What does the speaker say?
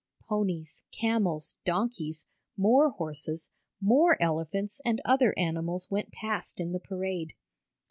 Ponies, camels, donkeys, more horses, more elephants and other animals went past in the parade.